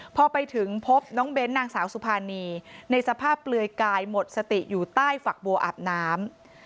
พอไปถึงพบน้องเบ้นนางสาวสุภานีในสภาพเปลือยกายหมดสติอยู่ใต้ฝักบัวอาบน้ำ